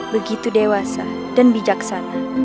begitu dewasa dan bijaksana